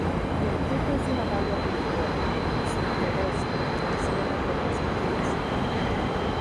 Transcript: El fruto es una baya piriforme, subglobosa, que encierra pocas semillas.